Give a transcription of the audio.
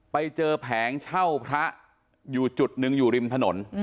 ไปเจอแผงเช่าพระอยู่จุดหนึ่งอยู่ริมถนน